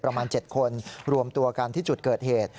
ประมาณ๗คนรวมตัวกันที่จุดเกิดเหตุ